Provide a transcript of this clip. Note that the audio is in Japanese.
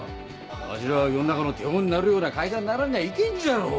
わしらは世の中の手本になるような会社にならんにゃいけんじゃろ！